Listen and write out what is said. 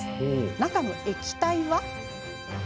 中の液体は？